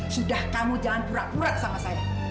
sudah kamu jangan pura pura sama saya